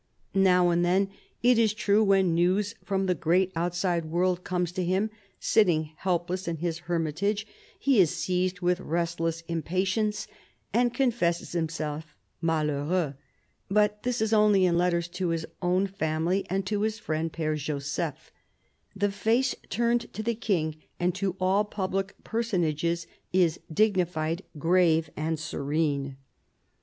Now and then, it is true, when news from the great outside world comes to him, sitting helpless in his hermitage, he is seized with restless impatience and confesses himself malheureux. But this is only in letters to his own family and to his friend Pere Joseph : the face turned to the King and to all public personages is dignified, grave and serene.